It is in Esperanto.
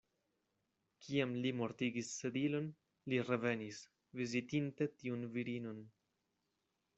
Kiam li mortigis Sedilon, li revenis, vizitinte tiun virinon.